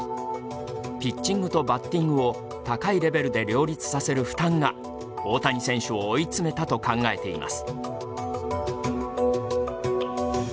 ピッチングとバッティングを高いレベルで両立させる負担が大谷選手を追い詰めたと考えています。